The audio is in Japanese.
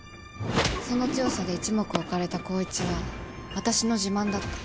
その強さで一目置かれた光一は私の自慢だった。